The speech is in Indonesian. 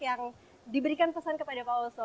yang diberikan pesan kepada pak oso